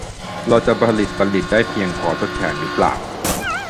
เราจะผลิตบัณฑิตได้เพียงพอทดแทนหรือเปล่า ?